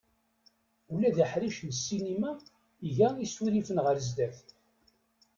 Ula d aḥric n ssinima iga isurifen ɣer sdat.